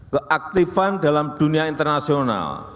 keaktifan dalam dunia internasional